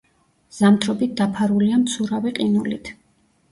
ზამთრობით დაფარულია მცურავი ყინულით.